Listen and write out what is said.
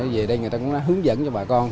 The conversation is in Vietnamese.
về đây người ta cũng đã hướng dẫn cho bà con